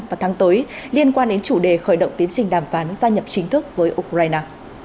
vào tháng tới liên quan đến chủ đề khởi động tiến trình đàm phán gia nhập chính thức với ukraine